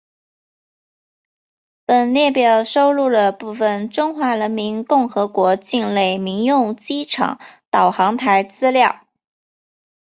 本列表收录了部分中华人民共和国境内民用机场导航台资料。